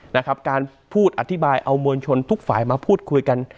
นะครับการพูดอธิบายเอามวลชนทุกฝ่ายมาพูดคุยกัน